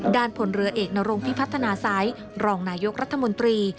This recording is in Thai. ผลเรือเอกนรงพิพัฒนาสัยรองนายกรัฐมนตรี